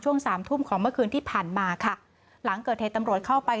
สามทุ่มของเมื่อคืนที่ผ่านมาค่ะหลังเกิดเหตุตำรวจเข้าไป